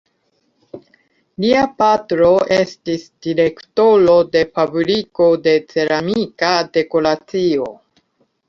Lia patro estis direktoro de fabriko de ceramika dekoracio.